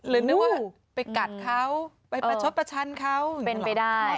นึกว่าไปกัดเขาไปประชดประชันเขาเป็นไปได้